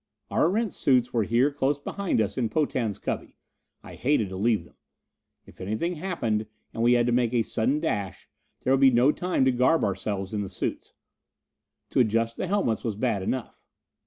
Our Erentz suits were here close behind us in Potan's cubby. I hated to leave them: if anything happened and we had to make a sudden dash, there would be no time to garb ourselves in the suits. To adjust the helmets was bad enough.